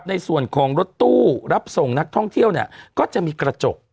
ในส่วนของรถตู้รับส่งนักท่องเที่ยวเนี่ยก็จะมีกระจก